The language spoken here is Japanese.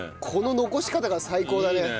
この残し方が最高だね。